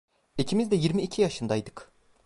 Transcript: İkimiz de yirmi iki yaşındaydık.